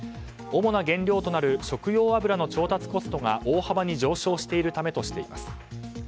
主な原料となる食用油の調達コストが大幅に上昇しているためとしています。